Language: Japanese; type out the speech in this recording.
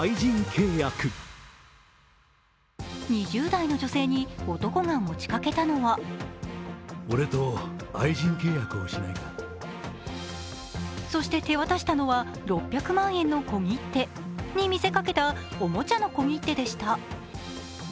２０代の女性に男が持ちかけたのはそして手渡したのは６００万円の小切手に見せかけたおもちゃの小切手でした。